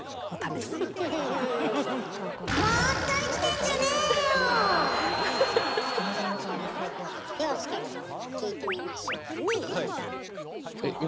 じゃあ遥亮くんにも聞いてみましょうかね。